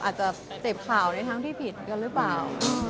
อาจจะเจ็บข่าวในทั้งที่ผิดกันรึเปล่า